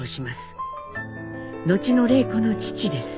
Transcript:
後の礼子の父です。